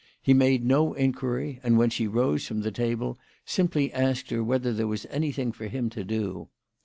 He made no inquiry, and when she rose from the table simply asked her whether there was anything for him to do.